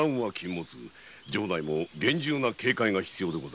城内も厳重な警戒が必要かと。